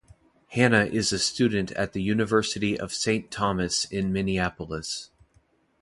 Hannah is a student at the University of Saint Thomas in Minneapolis.